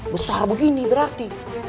besar begini berarti